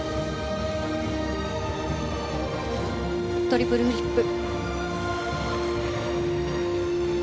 トリプルフリップ。